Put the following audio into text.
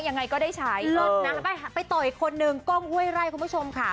ยังไงก็ได้ใช้ไปต่ออีกคนหนึ่งก้องเว้ยไล่คุณผู้ชมค่ะ